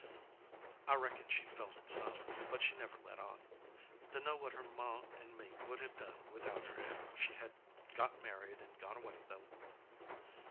I reckon she felt it some, but she never let on. Dunno what her ma and me would hev done without her ef she had got married and gone away, though."